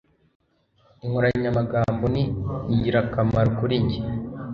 Inkoranyamagambo ni ingirakamaro kuri njye